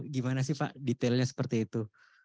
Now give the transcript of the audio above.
gimana sih pak detailnya seperti itu